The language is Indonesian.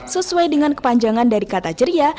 sesuai dengan kepanjangan dari kata ceria